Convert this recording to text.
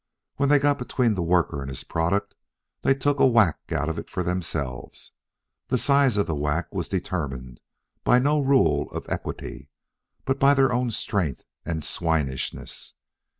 When they got between the worker and his product, they took a whack out of it for themselves The size of the whack was determined by no rule of equity; but by their own strength and swinishness.